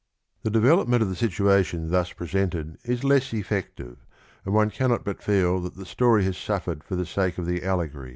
The development of the situation thus presented is less effective, and one cannot but feel that the story has suffered for the sake of the allegory.